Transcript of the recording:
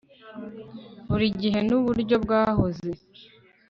buri gihe nuburyo bwahoze